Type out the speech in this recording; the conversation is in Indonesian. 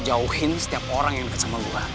jauhin setiap orang yang dekat sama gue